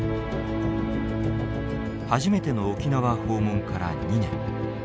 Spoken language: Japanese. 初めての沖縄訪問から２年。